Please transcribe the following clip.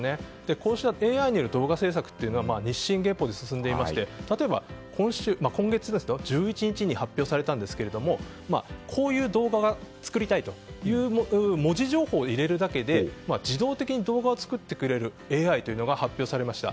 こうしたＡＩによる動画制作は日進月歩で進んでいて例えば今月１１日に発表されたんですけどもこういう動画が作りたいという文字情報を入れるだけで自動的に動画を作ってくれるＡＩが発表されました。